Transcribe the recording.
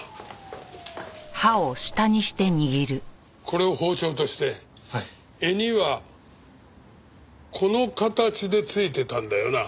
これを包丁として柄にはこの形で付いてたんだよな？